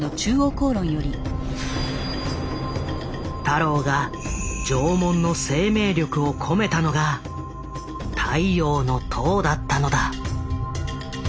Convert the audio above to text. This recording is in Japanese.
太郎が縄文の生命力を込めたのが「太陽の塔」だったのだ。